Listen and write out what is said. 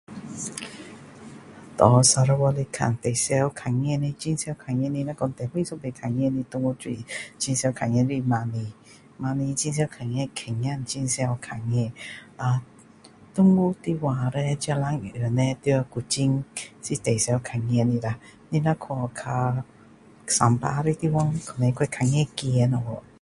最常看见的就是他们讲最后一次看见猫子很常看到狗子很常看到呃动物的话这两样在古晋最常看到的啦你如果去到山芭的地方可能还会看到鸡那些